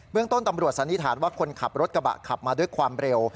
เมืองต้นตำรวจสันนิษฐานว่าคนขับรถกระบะขับมาด้วยความเร็ว